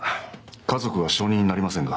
家族は証人になりませんが。